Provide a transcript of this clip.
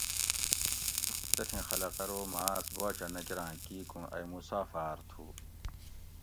تتھی خلق ارو مہ آۤس باچہ نہ کۤراں کیکوں ائی مسافر تھو